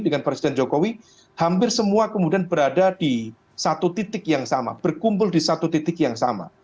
dengan presiden jokowi hampir semua kemudian berada di satu titik yang sama berkumpul di satu titik yang sama